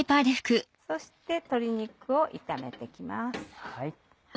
そして鶏肉を炒めて行きます。